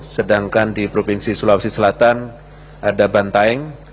sedangkan di provinsi sulawesi selatan ada bantaeng